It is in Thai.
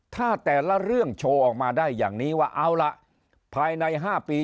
ถ้าแต่ละเรื่องโชว์ออกมาได้อย่างนี้ว่าเอาล่ะภายใน๕ปี